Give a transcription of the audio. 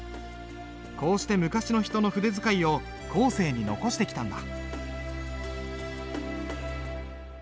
こうして昔の人の筆使いを後世に残してきたんだ。